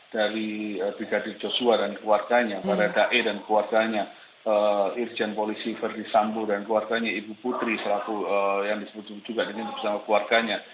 dari dikadir joshua dan keluarganya para dae dan keluarganya irjen polisi verdi sambu dan keluarganya ibu putri selaku yang disebut juga dengan nama keluarganya